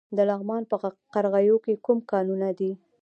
د لغمان په قرغیو کې کوم کانونه دي؟